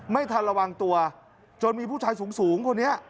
ไม่ทันระวังตัวจนมีผู้ชายสูงคนนี้